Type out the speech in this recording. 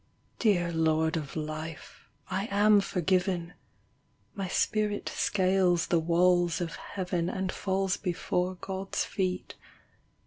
I >e ir Lord of Life, I am forgi My spirit scales the walls of Heaven Ami falls before God's feel